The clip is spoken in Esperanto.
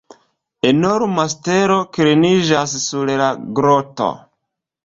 Enorma stelo kliniĝas sur la groto.